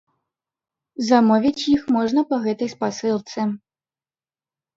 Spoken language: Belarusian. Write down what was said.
Замовіць іх можна па гэтай спасылцы.